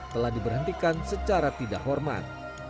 telah diberhentikan secara tidak hormat